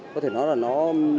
có thể nói là nó